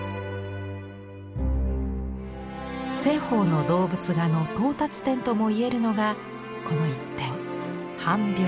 栖鳳の動物画の到達点ともいえるのがこの一点「班猫」。